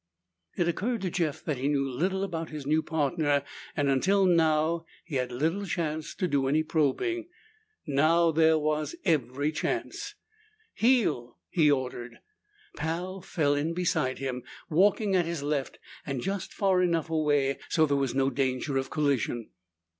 It occurred to Jeff that he knew little about his new partner and until now he had had little chance to do any probing. Now there was every chance. "Heel!" he ordered. Pal fell in beside him, walking at his left and just far enough away so there was no danger of collision.